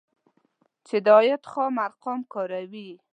چې د عاید خام ارقام کاروي